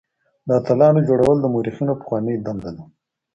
د اتلانو جوړول د مورخينو پخوانۍ دنده ده.